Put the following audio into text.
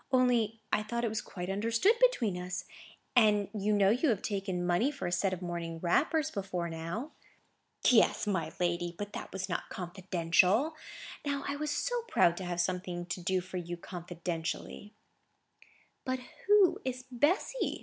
Only I thought it was quite understood between us. And you know you have taken money for a set of morning wrappers, before now." "Yes, my lady; but that was not confidential. Now I was so proud to have something to do for you confidentially." "But who is Bessy?"